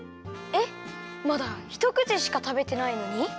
えっまだひとくちしかたべてないのに？